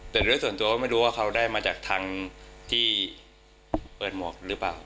แต่ด้วยส่วนตัวก็ไม่รู้ว่าเขาได้มาจากทางที่เปิดหมวกหรือเปล่า